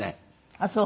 あっそう。